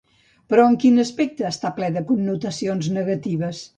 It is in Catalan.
Però en quin aspecte està ple de connotacions negatives?